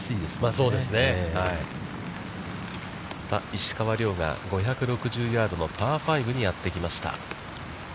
石川遼が５６０ヤードのパー５にやってきました。